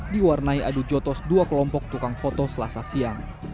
diwarnai adu jotos dua kelompok tukang foto selasa siang